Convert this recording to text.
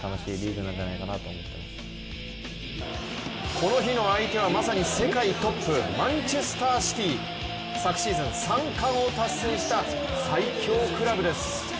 この日の相手は、まさに世界トップマンチェスターシティ。昨シーズン、３冠を達成した最強クラブです。